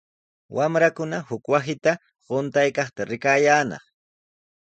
Wamrakuna huk wasita quntaykaqta rikayaanaq.